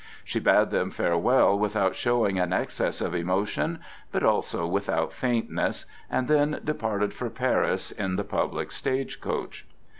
She bade them farewell without showing an excess of emotion, but also without faintness, and then departed for Paris in the public stage coach.